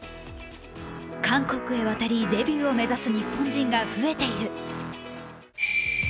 韓国へ渡りデビューを目指す日本人が増えている。